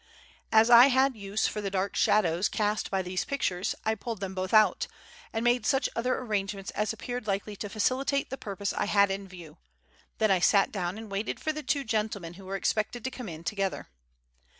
As I had use for the dark shadows cast by these pictures, I pulled them both out, and made such other arrangements as appeared likely to facilitate the purpose I had in view; then I sat down and waited for the two gentlemen who were expected to come in together.